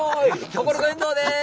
ココリコ遠藤です！